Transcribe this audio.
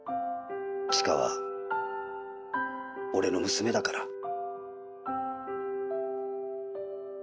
「千華は俺の娘だから」